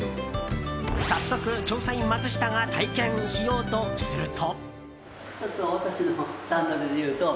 早速、調査員マツシタが体験しようとすると。